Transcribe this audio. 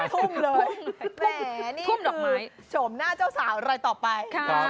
ทุ่มเลยแหมนี่คือโฉมหน้าเจ้าสาวรอยต่อไป